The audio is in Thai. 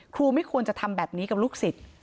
ครูไม่ควรจะทำแบบนี้กับลูกสิทธิ์